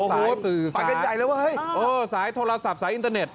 สายสื่อสายสายโทรศัพท์สายอินเทอร์เน็ต